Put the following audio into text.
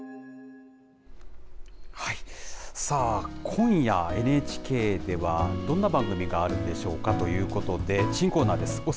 さあ、今夜ＮＨＫでは、どんな番組があるんでしょうかということで、新コーナーです。